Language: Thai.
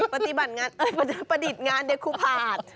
ประดิษฐ์งานเดคุพาท